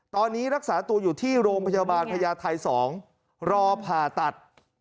ตอนนี้รักษาตัวอยู่ที่โรงพยาบาลพญาไทย๒รอผ่าตัด